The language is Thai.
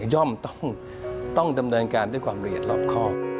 ย่อมต้องจำนวนการด้วยความละเอียดรอบข้อ